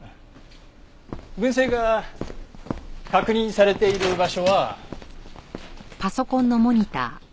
群生が確認されている場所は。